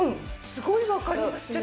すごいわかりますね。